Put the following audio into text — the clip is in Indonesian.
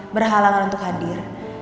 berhalangan untuk hadir